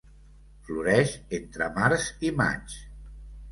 Floreix entre març i maig.